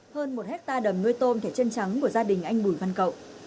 hơn một hectare đầm nuôi tôm thẻ chân trắng của gia đình anh bùi văn cậu